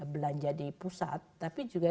belanja di pusat tapi juga